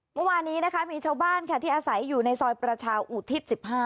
เมื่อวานนี้นะคะมีชาวบ้านค่ะที่อาศัยอยู่ในซอยประชาอุทิศ๑๕